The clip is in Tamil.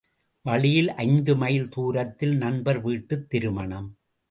வழியில் ஐந்து மைல் தூரத்தில் நண்பர் வீட்டுத் திருமணம்.